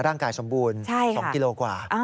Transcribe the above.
ร่างกายสมบูรณ์๒กิโลกว่า